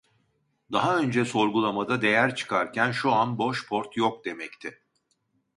Daha önce sorgulamada değer çıkarken şu an boş port yok demekte.